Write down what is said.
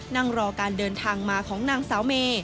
นั่งรอการเดินทางมาของนางสาวเม